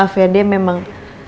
maaf ya dia memang